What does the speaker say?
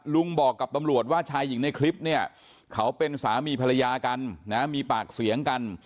ลุงบอกกับตำรวจว่าชายหญิงในคลิปเนี่ยเขาเป็นสามีภรรยากันนะมีปากเสียงกัน